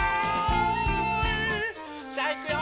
さあいくよ！